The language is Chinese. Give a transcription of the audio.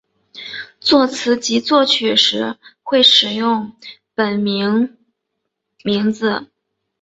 作词及作曲时会使用本名巽明子。